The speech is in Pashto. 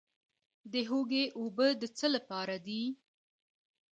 د هوږې اوبه د څه لپاره دي؟